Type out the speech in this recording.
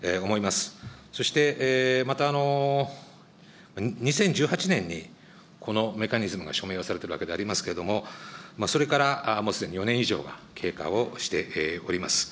そしてまた、２０１８年に、このメカニズム署名されておるわけでございますけれども、それからもうすでに４年以上が経過をしております。